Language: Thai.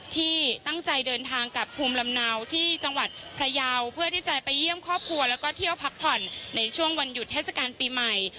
ที่ตั้งใจเดินทางกับภูมิลำเนาที่จังหวัดพระยาวเพื่อที่จะไปเยี่ยมครอบครัวแล้วก็เที่ยวพักผ่อนในช่วงวันหยุดเทศกาลปีใหม่